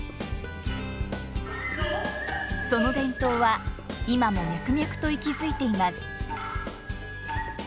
その伝統は今も脈々と息づいています。